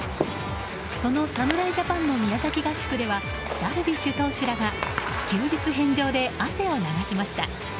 その侍ジャパンの宮崎合宿ではダルビッシュ投手らが休日返上で汗を流しました。